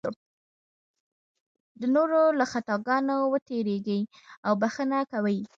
د نورو له خطاګانو ورتېرېږي او بښنه کوي.